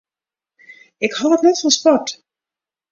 Ik hâld net fan sport.